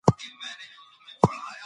د شپې له خوا د ستورو سیل ډېر خوند ورکوي.